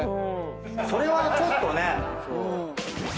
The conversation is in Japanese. それはちょっとね。